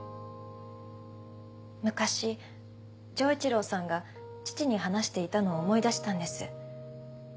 昔丈一郎さんが父に話していたのを思い出したんです。